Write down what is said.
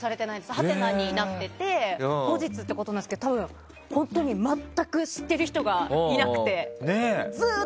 ハテナになっていて後日ってことなんですけど本当に、全く知っている人がいなくて。